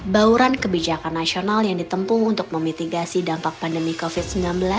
bauran kebijakan nasional yang ditempuh untuk memitigasi dampak pandemi covid sembilan belas